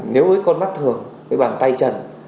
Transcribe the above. nếu với con mắt thường với bàn tay chân